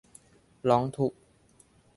ร้องทุกข์